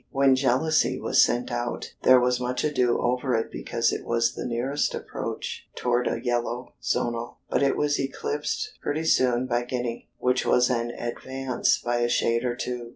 When Jealousy was sent out, there was much ado over it because it was the nearest approach toward a yellow Zonal, but it was eclipsed pretty soon by Guinea, which was an advance by a shade or two.